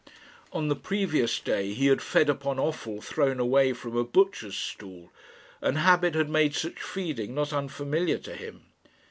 On the previous day he had fed upon offal thrown away from a butcher's stall, and habit had made such feeding not unfamiliar to him.